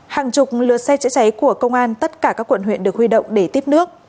hàng chục lượt xe chữa cháy của công an tất cả các quận huyện được huy động để tiếp nước